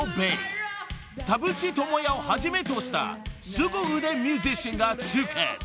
田淵智也をはじめとしたすご腕ミュージシャンが集結］